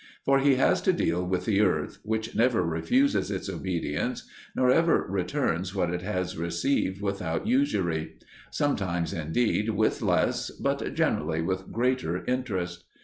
For he has to deal with the earth, which never refuses its obedience, nor ever returns what it has received without usury; sometimes, indeed, with less, but generally with greater interest.